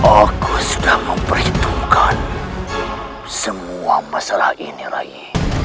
aku sudah memperhitungkan semua masalah ini lagi